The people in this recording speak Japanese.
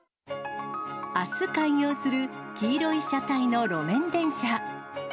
あす開業する黄色い車体の路面電車。